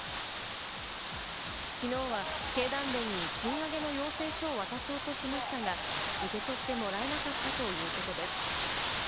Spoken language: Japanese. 昨日は経団連に賃上げの要請書を渡そうとしましたが、受け取ってもらえなかったということです。